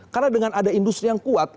karena dengan ada industri yang kuat